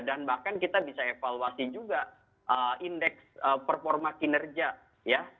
dan bahkan kita bisa evaluasi juga indeks performa kinerja